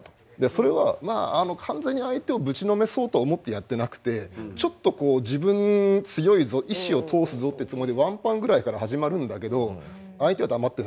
それはまあ完全に相手をぶちのめそうと思ってやってなくてちょっとこう自分強いぞ意思を通すぞってつもりでワンパンぐらいから始まるんだけど相手は黙ってないと。